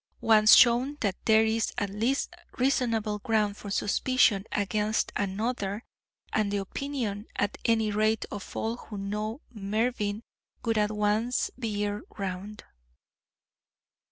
Once shown that there is at least reasonable ground for suspicion against another, and the opinion, at any rate of all who know Mervyn, would at once veer round."